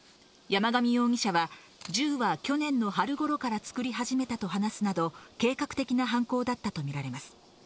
山上容疑者は銃は去年の春頃から作り始めたと話すなど、計画的な犯行だったとみられます。